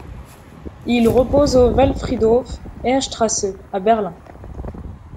Il repose au Waldfriedhof Heerstraße à Berlin.